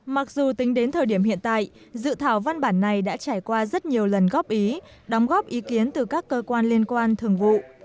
mặc dù tính đến thời điểm hiện tại dự thảo văn bản này đã trải qua rất nhiều lần góp ý đóng góp ý kiến từ các cơ quan liên quan thường vụ